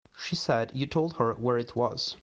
She said you told her where it was.